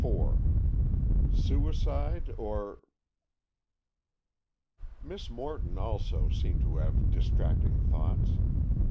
IV SUICIDE OR ——? Miss Morton, also, seemed to have distracting thoughts.